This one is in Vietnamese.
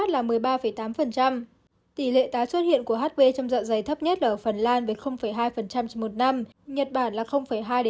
tỷ lệ tái xuất hiện của hp trong dọa dày thấp nhất là ở phần lan với hai